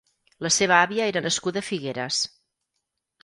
La seva àvia era nascuda a Figueres.